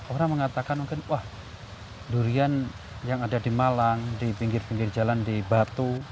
orang mengatakan mungkin wah durian yang ada di malang di pinggir pinggir jalan di batu